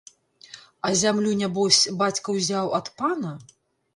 А зямлю, нябось, бацька ўзяў ад пана?